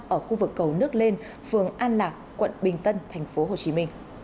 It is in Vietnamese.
ở khu vực cầu nước lên phường an lạc quận bình tân tp hcm